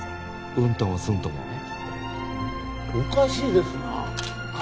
うんともすんともおかしいですなあ